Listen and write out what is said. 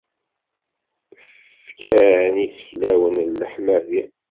Fkan iseflawen n leḥmadi.